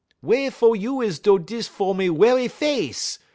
Wey fer you is do dis 'fo' me werry face?